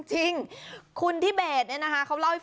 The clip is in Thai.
นี่คือเทคนิคการขาย